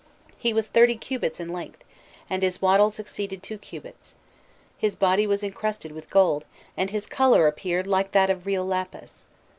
He was thirty cubits in length, and his wattles exceeded two cubits; his body was incrusted with gold, and his colour appeared like that of real lapis.